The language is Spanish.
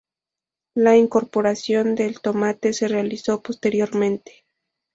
La incorporación del tomate se realizó posteriormente.